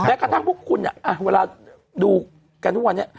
และขั้นพุกคุณอ่ะเวลาดูกันทุกวันนี้